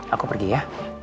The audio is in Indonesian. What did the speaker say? aku pergi ya